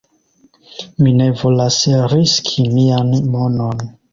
Mi ne volas riski mian monon